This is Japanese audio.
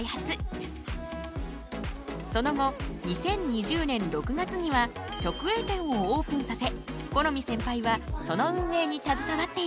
その後２０２０年６月には直営店をオープンさせ許斐センパイはその運営にたずさわっている。